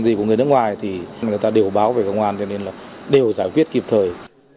gì của người nước ngoài thì người ta đều báo về công an cho nên là đều giải quyết kịp thời